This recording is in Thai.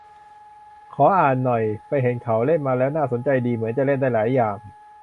ขออ่านหน่อย อิอิ ไปเห็นเขาเล่นมาแล้วน่าสนใจดี เหมือนจะเล่นได้หลายอย่าง